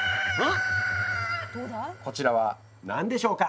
こちらは何でしょうか？